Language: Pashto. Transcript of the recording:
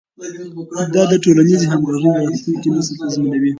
دا د ټولنیزې همغږۍ د راتلونکي نسل تضمینوي.